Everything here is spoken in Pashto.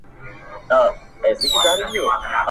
زه نن هم زندګي د محبت په تار تړمه